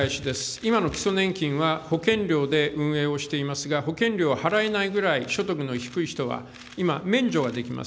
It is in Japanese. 今の基礎年金は保険料で運営をしていますが、保険料は払えないぐらい、所得の低い人は今、免除ができます。